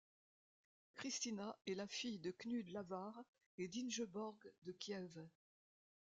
Christina est la fille de Knud Lavard et d'Ingeborg de Kiev.